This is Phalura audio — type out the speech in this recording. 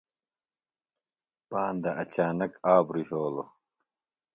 پاندہ اچانک آبرُوۡ یھولوۡ۔